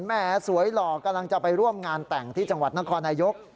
แหมสวยหล่อกำลังจะไปร่วมงานแต่งที่จังหวัดนครนายก